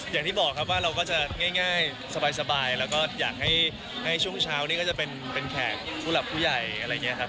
อย่างที่บอกครับว่าเราก็จะง่ายสบายแล้วก็อยากให้ช่วงเช้านี้ก็จะเป็นแขกผู้หลักผู้ใหญ่อะไรอย่างนี้ครับ